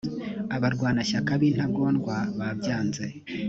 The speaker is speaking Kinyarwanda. abarwanashyaka b intagondwa babyanze